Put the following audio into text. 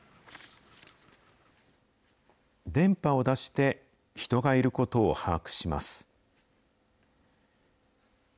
電波を出して、人がいることを把握します。